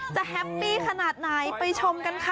แฮปปี้ขนาดไหนไปชมกันค่ะ